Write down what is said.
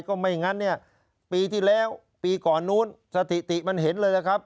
ก็ไม่งั้นเนี่ยปีที่แล้วปีก่อนนู้นสถิติมันเห็นเลยนะครับ